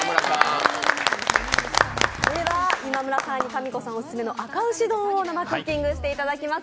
今村さんにかみこさんオススメのあか牛丼を生クッキングしていただきます。